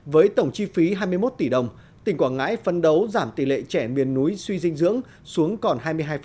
với tổng chi phí hai mươi một tỷ đồng tỉnh quảng ngãi phân đấu giảm tỷ lệ trẻ miền núi suy dinh dưỡng xuống còn hai mươi hai